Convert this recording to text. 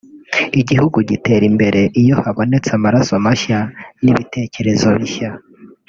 igihugu gitera imbere iyo habonetse amaraso mashya n’ibitekerezo bishya